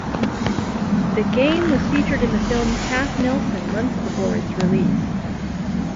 The game was featured in the film "Half Nelson" months before its release.